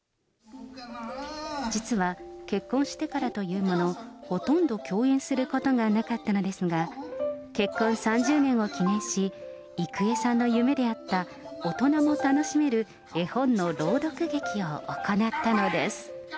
実は結婚してからというもの、ほとんど共演することがなかったのですが、結婚３０年を記念し、郁恵さんの夢であった、大人も楽しめる絵本の朗読劇を行ったのです。